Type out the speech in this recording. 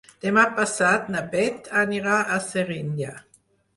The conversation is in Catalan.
Demà passat na Beth anirà a Serinyà.